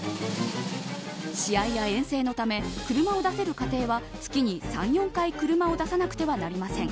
試合や遠征のため車を出せる家庭は月に３４回車を出さなくてはなりません。